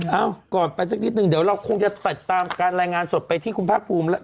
เอ้าก่อนไปสักนิดนึงเดี๋ยวเราคงจะติดตามการรายงานสดไปที่คุณภาคภูมิแล้ว